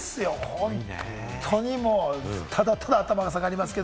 本当に、ただただ頭が下がります。